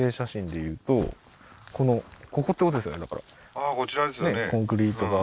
ああーこちらですよね